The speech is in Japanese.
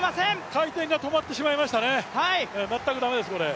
回転が止まってしまいました、全く駄目です、これ。